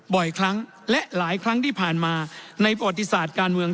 บ่อยครั้งและหลายครั้งที่ผ่านมาในประวัติศาสตร์การเมือง